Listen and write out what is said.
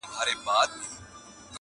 تور نصيب يې كړل په برخه دوږخونه!!!!!